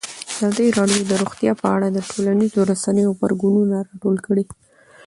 ازادي راډیو د روغتیا په اړه د ټولنیزو رسنیو غبرګونونه راټول کړي.